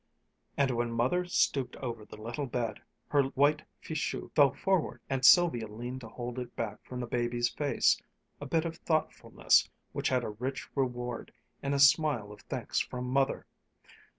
And when Mother stooped over the little bed, her white fichu fell forward and Sylvia leaned to hold it back from the baby's face, a bit of thoughtfulness which had a rich reward in a smile of thanks from Mother.